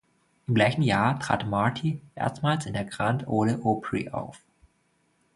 Im gleichen Jahr trat Marty erstmals in der Grand Ole Opry auf.